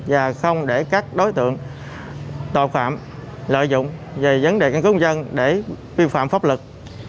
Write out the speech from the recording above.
và không để các đối tượng tội phạm lợi dụng về vấn đề căn cứ công dân để vi phạm pháp luật